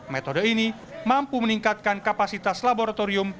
metode ini mampu meningkatkan kapasitas laboratorium